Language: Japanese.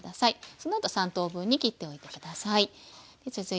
そのあとは３等分に切っておいて下さい。